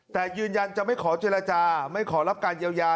แต่ยืนยันจะไม่ขอเจรจาไม่ขอรับการเยียวยา